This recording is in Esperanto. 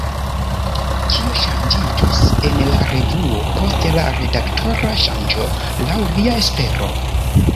Kio ŝanĝiĝos en la revuo post la redaktora ŝanĝo, laŭ via espero?